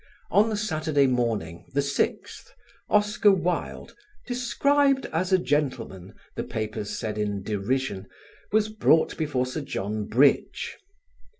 On Saturday morning, the 6th, Oscar Wilde, "described as a gentleman," the papers said in derision, was brought before Sir John Bridge.